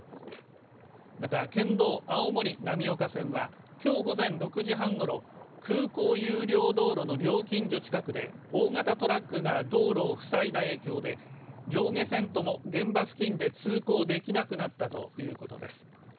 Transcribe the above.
また県道青森浪岡線はきょう午前６時半ごろ空港有料道路の料金所近くで大型トラックが道路をふさいだ影響で上下線とも現場付近で通行できなくなったということです。